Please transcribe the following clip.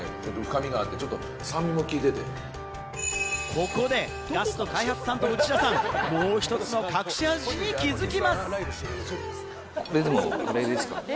ここでガスト開発担当の内田さん、もう一つの隠し味に気付きます。